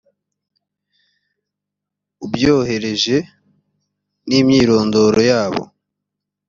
ubyohereje n’imyirondoro yabo